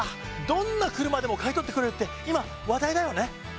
どんな車でも買い取ってくれるって今話題だよね。